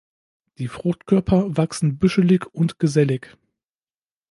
Die Fruchtkörper wachsen büschelig und "gesellig".